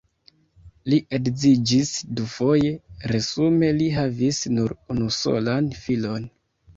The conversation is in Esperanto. Li edziĝis dufoje, resume li havis nur unusolan filon.